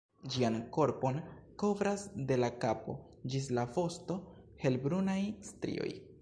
Ĝian korpon kovras de la kapo ĝis la vosto helbrunaj strioj.